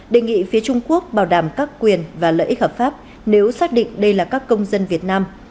đề nghị phía trung quốc bảo đảm các quyền và lợi ích hợp pháp nếu xác định đây là các công dân việt nam